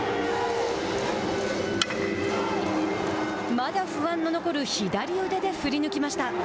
まだ不安の残る左腕で振り抜きました。